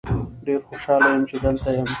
ډیر خوشحال یم چې دلته یم.